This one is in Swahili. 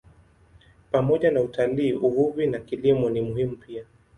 Pamoja na utalii, uvuvi na kilimo ni muhimu pia.